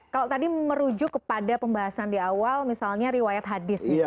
kalau tadi merujuk kepada pembahasan di awal misalnya riwayat hadis